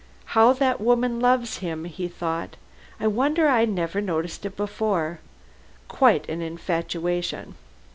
"How that woman loves him," he thought, "I wonder I never noticed it before. Quite an infatuation."